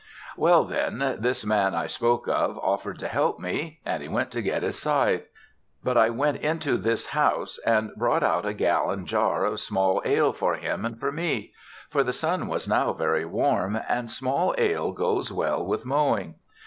Well then, this man I spoke of offered to help me, and he went to get his scythe. But I went into this house and brought out a gallon jar of small ale for him and for me; for the sun was now very warm, and small ale goes well with mowing.